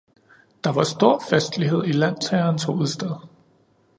Der var stor festlighed i landsherrens hovedstad.